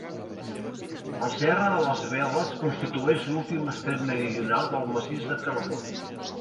La serra de les Veles constitueix l'últim estrep meridional del Massís de Cardó.